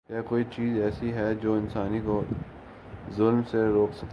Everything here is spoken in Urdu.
کیا کوئی چیز ایسی ہے جو انسان کو ظلم سے روک سکے؟